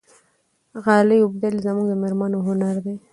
غالۍ اوبدل زموږ د مېرمنو هنر دی.